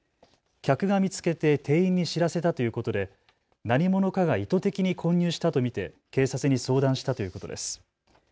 客が見つけて店員に知らせたということで何者かが意図的に混入したと見て警察に相談したということです。